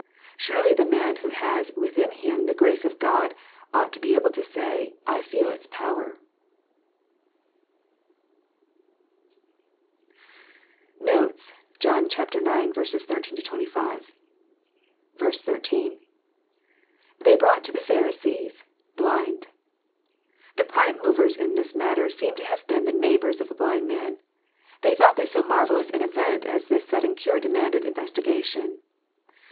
Surely the man who has within him the grace of God, ought to be able to say, " I feel its power. 152 EXPOsrroBY thoughts. Notes. John IX. 18—25. IS.—lThey brought to the Pharisee8...hliiid.'] The prime movers la this matter seem to have been the neighbours of the blind man. They thought that so marvellous an event as this sudden cure demanded investigation.